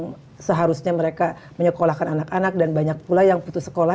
yang seharusnya mereka menyekolahkan anak anak dan banyak pula yang putus sekolah